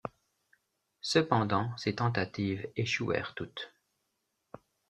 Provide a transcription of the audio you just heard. Cependant, ces tentatives échouèrent toutes.